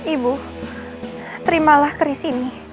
ibu terimalah keris ini